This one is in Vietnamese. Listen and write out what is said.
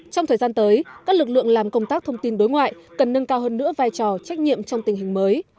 trong thời gian tới các lực lượng làm công tác thông tin đối ngoại cần nâng cao hơn nữa vai trò trách nhiệm trong tình hình mới